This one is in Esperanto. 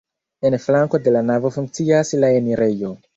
En flanko de la navo funkcias la enirejo.